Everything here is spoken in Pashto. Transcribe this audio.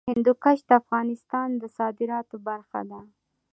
هندوکش د افغانستان د صادراتو برخه ده.